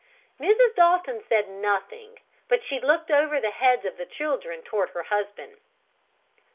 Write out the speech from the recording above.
Mrs. Dalton said nothing, but she looked over the heads of the children toward her husband.